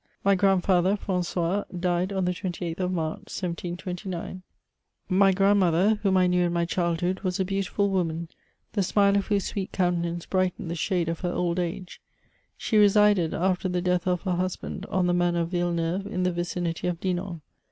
My grandfather, Fran9ois, died on the 28th of March, 1729; my grandmother, whom I knew in my childhood, was a beautiful woman, the smile of whose sweet countenance brightened the shade of her old age. She resided, after the death of her husband, on the Manor of Villeneuve, in the vicinity of Dinan.